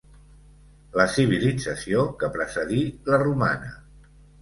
La civilització que precedí la romana.